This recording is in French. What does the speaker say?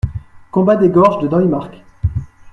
Combat des gorges de Neumarck.